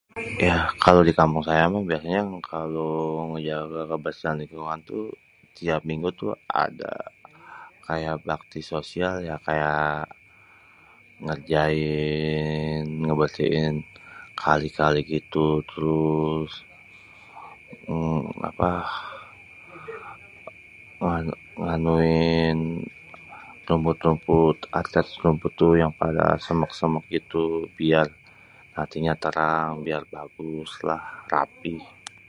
Yah kalo di kampung saya mah biasanya kalo ngejaga kebersihan lingkungan tuh setiap minggu tuh ada kayak bakti sosial ya kayak ngerjain, ngebersihin kali-kali gitu, terus eee apa nganuin rumput-rumput yang pada semak-semak gitu, biar atinya terang, biar bagus lah, rapi.